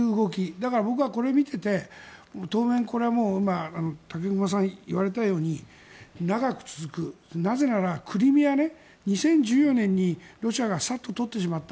だから、僕はこれを見ていて当面これはもう武隈さんが言われたように長く続くなぜならクリミア、２０１４年にロシアがサッととってしまった。